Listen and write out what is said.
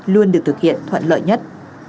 luôn được thực hiện thuận lợi nhất